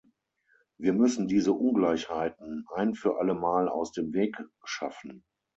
Wir müssen diese Ungleichheiten ein für alle Mal aus dem Weg schaffen.